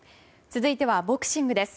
続いてはボクシングです。